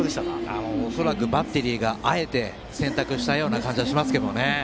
バッテリーがあえて選択したような感じがしますけどね。